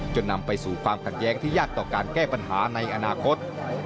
นำไปสู่ความขัดแย้งที่ยากต่อการแก้ปัญหาในอนาคต